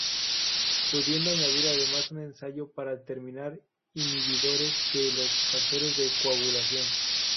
Pudiendo añadir además un ensayo para determinar inhibidores de los factores de coagulación.